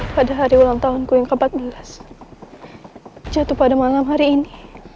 pada hari ulang tahunku yang ke empat belas jatuh pada malam hari ini